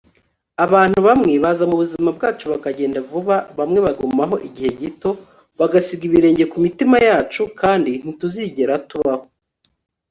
abantu bamwe baza mubuzima bwacu bakagenda vuba bamwe bagumaho igihe gito, bagasiga ibirenge ku mitima yacu, kandi ntituzigera tubaho